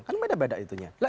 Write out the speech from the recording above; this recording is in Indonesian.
kan beda beda itunya